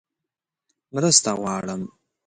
_مرسته غواړم!